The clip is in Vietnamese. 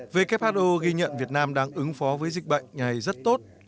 who ghi nhận việt nam đang ứng phó với dịch bệnh này rất tốt